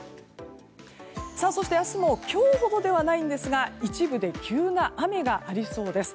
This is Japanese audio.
そして明日も今日ほどではないんですが一部で急な雨がありそうです。